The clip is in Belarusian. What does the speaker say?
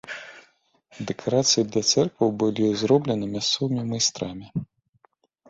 Дэкарацыі для цэркваў былі зроблены мясцовымі майстрамі.